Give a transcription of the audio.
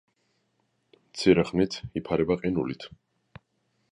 მცირე ხნით იფარება ყინულით.